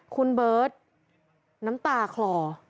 คุณเบิร์ตน้ำตาคลอ